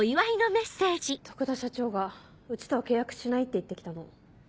徳田社長がうちとは契約しないって言って来たの。